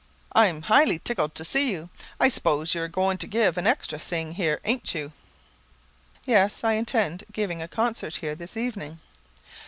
I'm highly tickled to see you. I s'pose you are going to give an extra sing here ain't you?" "Yes; I intend giving a concert here this evening."